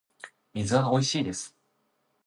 水はおいしいです